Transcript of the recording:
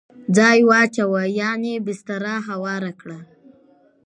ځای واچوه ..یعنی بستره هواره کړه